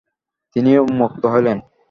তিনি উন্মত্ত হইলেন ।